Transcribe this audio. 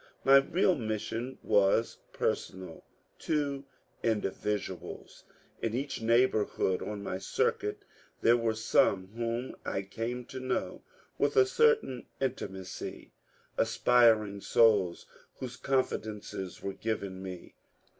My real mission was personal, — to individuals. In each neighbourhood on my circuit there were some whom I came to know with a certain intimacy, aspiring souls whose confidences were given me.